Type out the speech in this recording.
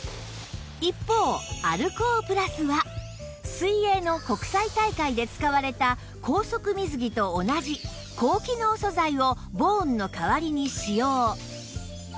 一方アルコープラスは水泳の国際大会で使われた高速水着と同じ高機能素材をボーンの代わりに使用